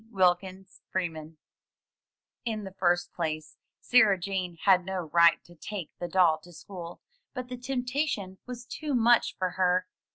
Wilkins Freeman In the first place, Sarah Jane had no right to take the doll to school, but the temptation was too much for her.